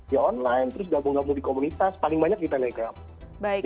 ya online terus gabung gabung di komunitas paling banyak kita negam